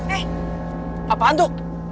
eh apaan tuh